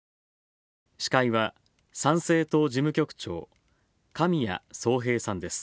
司会は、参政党事務局長神谷宗幣さんです。